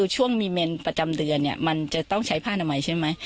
ช่วงมีเมนประจำเดือนเนี่ยมันจะต้องใช้ผ้านามัยใช่ไหม